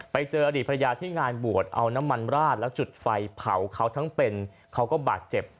ไปเจออดีตภรรยาที่งานบวชเอาน้ำมันราดแล้วจุดไฟเผาเขาทั้งเป็นเขาก็บาดเจ็บ